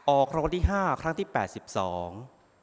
ออกคำวัติห้าครั้งที่แปดสิบสอง